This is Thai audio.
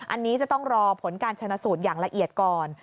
อันนี้จะต้องรอผลการชนะสูตรอย่างละเอียดก่อน